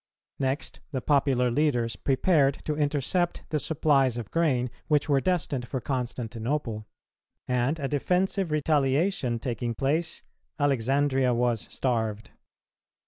Next, the popular leaders prepared to intercept the supplies of grain which were destined for Constantinople; and, a defensive retaliation taking place, Alexandria was starved.